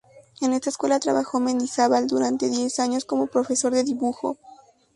En esta escuela trabajó Mendizabal durante diez años como profesor de dibujo.